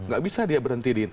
gak bisa dia berhenti